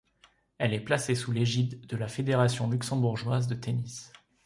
Elle est placée sous l'égide de la Fédération luxembourgeoise de tennis.